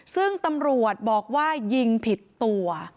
ซึ่งตำรวจบอกว่ายิงผิดตัว